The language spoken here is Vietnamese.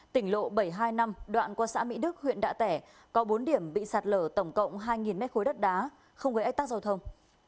tỉnh lộ bảy trăm hai mươi năm đoạn qua xã mỹ đức huyện đạ tẻ có bốn điểm bị sạt lở tổng cộng hai mét khối đất đá không gây ách tắc giao thông